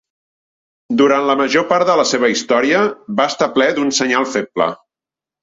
Durant la major part de la seva història, va estar ple d'un senyal feble.